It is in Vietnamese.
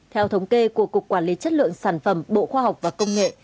theo thống kê của cục quản lý chất lượng sản phẩm bộ khoa học và công nghệ